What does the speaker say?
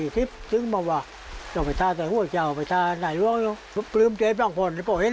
ก็แร่งเลี่ยนแร่งเลี่ยนจริงแร่งกับคน